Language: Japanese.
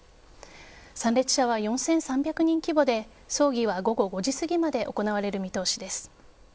参列者は４３００人規模で葬儀は午後５時過ぎまで行われる見通しです。